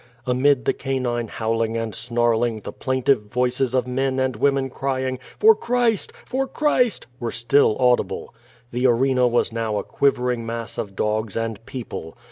Amid the canine howling and snarling, the plaintive voices of men and women crying "For Christ! For Christ!*' were still atidible. The arena was now a quivering mass of dogs and people.